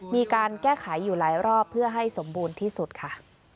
มีการแก้ไขอยู่หลายรอบเพื่อให้สมบูรณ์ที่สุดค่ะ